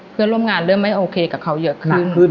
เพื่อนร่วมงานเริ่มไม่โอเคกับเขาเยอะขึ้น